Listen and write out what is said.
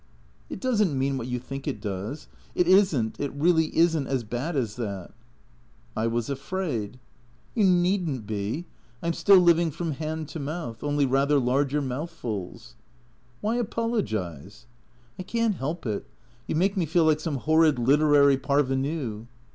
" It does n't mean what you think it does. It is n't, it really is n't as bad as that "" I was afraid." " You need n't be. I 'm still living from hand to mouth, only rather larger mouthfuls." " Why apologize ?"" I can't help it. You make me feel like some horrid literary parvenu."